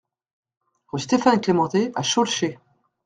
Rue Stéphane Clémenté à Schœlcher